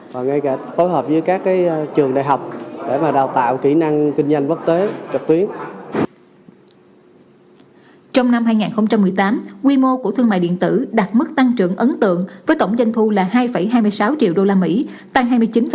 và ngay cả phối hợp với các trường đại học để mà đào tạo kỹ năng